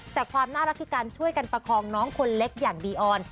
แต่ความน่ารักคือการช่วยกันประคองน้องคนเล็กอย่างดีออน